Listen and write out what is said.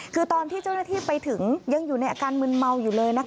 คือตอนที่เจ้าหน้าที่ไปถึงยังอยู่ในอาการมืนเมาอยู่เลยนะคะ